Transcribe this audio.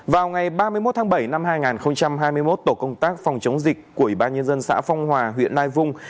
vào ngày ba mươi một tháng bảy năm hai nghìn hai mươi một tổ công tác phòng chống dịch của ủy ban nhân dân xã phong hòa huyện lai vung